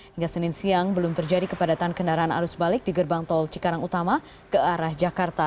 hingga senin siang belum terjadi kepadatan kendaraan arus balik di gerbang tol cikarang utama ke arah jakarta